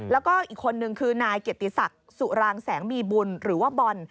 แล้วก็อีกคนนึงคือนายเกียรติศักดิ์สุรางแสงมีบุญหรือว่าบอล